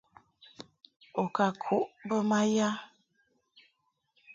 U ka kuʼ bə ma ya ?